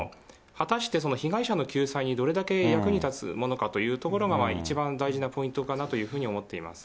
果たしてその被害者の救済にどれだけ役に立つものかというところが一番大事なポイントかなというふうに思っています。